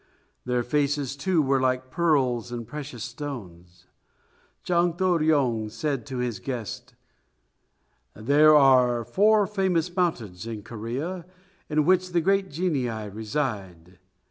Their faces, too, were like pearls and precious stones. Chang To ryong said to his guest, "There are four famous mountains in Korea in which the genii reside.